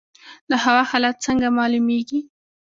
د هوا حالات څنګه معلومیږي؟